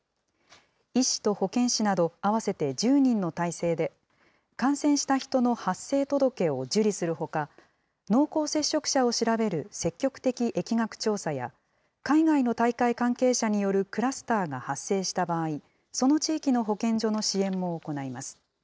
医師と保健師など合わせて１０人の体制で、感染した人の発生届を受理するほか、濃厚接触者を調べる積極的疫学調査や、海外の大会関係者によるクラスターが発生した場合、その地域の保健所の支援も行います。